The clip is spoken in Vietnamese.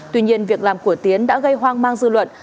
tuy nhiên việc làm của tiến đã gây hoang mang dư luận